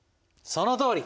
そのとおり！